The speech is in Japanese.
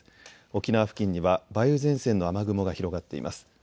沖縄付近には梅雨前線の雨雲が広がっています。